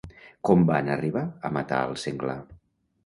Com van arribar a matar al senglar?